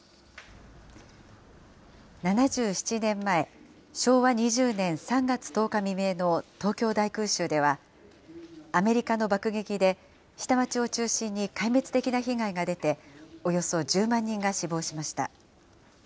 ７７年前、昭和２０年３月１０日未明の東京大空襲では、アメリカの爆撃で、下町を中心に壊滅的な被害が出て、およそ１０万人が死亡しました。